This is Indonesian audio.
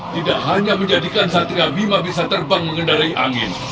tidak hanya menjadikan satria bhima bisa terbang mengendalikan angin